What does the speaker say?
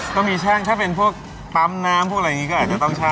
ก็มีช่างถ้าเป็นพวกปั๊มน้ำพวกอะไรอย่างนี้ก็อาจจะต้องแช